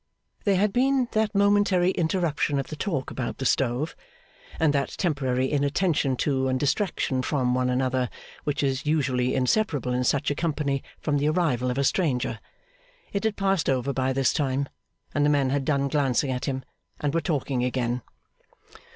There had been that momentary interruption of the talk about the stove, and that temporary inattention to and distraction from one another, which is usually inseparable in such a company from the arrival of a stranger. It had passed over by this time; and the men had done glancing at him, and were talking again.